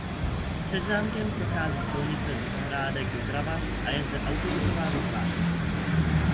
Před zámkem prochází silnice ze Zahrádek do Kravař a je zde autobusová zastávka.